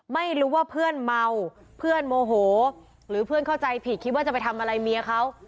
ไม่รู้ว่าเพื่อนเมาเพื่อนโมโหหรือเพื่อนเข้าใจผิดคิดว่าจะไปทำอะไรเมียเขา